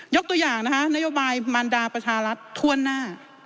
ยกตัวอย่างนโยบายมารดาประชารัฐท่วนหน้า